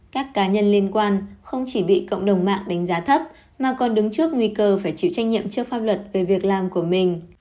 các cá nhân liên quan không chỉ bị cộng đồng mạng đánh giá thấp mà còn đứng trước nguy cơ phải chịu trách nhiệm trước pháp luật về việc làm của mình